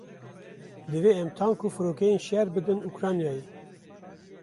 Divê em tank û firokeyên şer bidin Ukraynayê.